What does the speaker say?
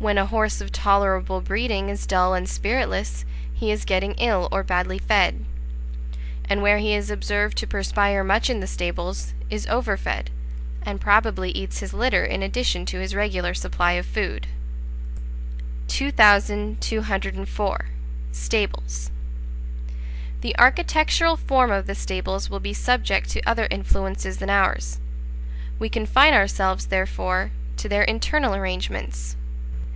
When a horse of tolerable breeding is dull and spiritless, he is getting ill or badly fed; and where he is observed to perspire much in the stables, is overfed, and probably eats his litter in addition to his regular supply of food. 2204. Stables. The architectural form of the stables will be subject to other influences than ours; we confine ourselves, therefore, to their internal arrangements.